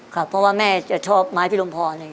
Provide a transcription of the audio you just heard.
เพราะว่าแม่ชอบหมายพีรมพร